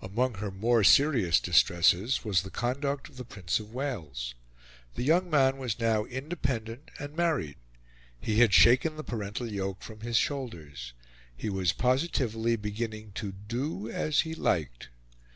Among her more serious distresses was the conduct of the Prince of Wales. The young man was now independent and married; he had shaken the parental yoke from his shoulders; he was positively beginning to do as he liked.